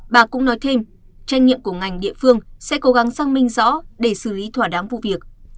bà cũng nói thêm tranh nghiệm của ngành địa phương sẽ cố gắng xăng minh rõ để xử lý thỏa đám vụ việc